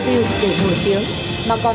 tô viêu để nổi tiếng